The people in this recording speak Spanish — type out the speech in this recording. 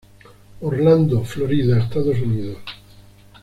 Orlando, Florida, Estados Unidos.